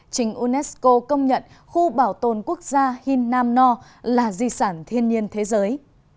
trình unesco công nhận khu bảo tồn quốc gia hin nam no là di sản thiên nhiên thế giới